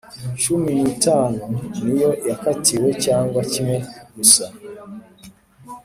cumi n itanu niyo yakatiwe cyangwa kimwe gusa